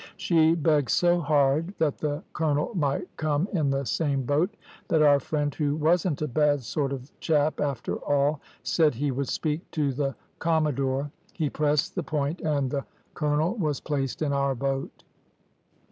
She begged so hard that the colonel might come in the same boat, that our friend, who wasn't a bad sort of chap after all, said he would speak to the commodore: he pressed the point, and the colonel was placed in our boat.